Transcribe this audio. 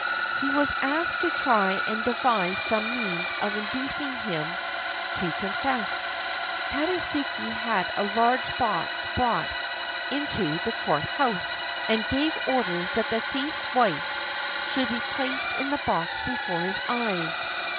He was asked to try and devise some means of inducing him to confess. Tadasuke had a large box brought into the court house, and gave orders that the thief's wife should be placed in the box before his eyes.